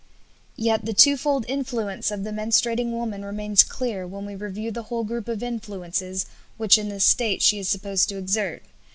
Yet the twofold influence of the menstruating woman remains clear when we review the whole group of influences which in this state she is supposed to exert.